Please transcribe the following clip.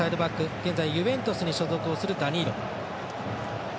現在、ユベントスに所属をするダニーロ。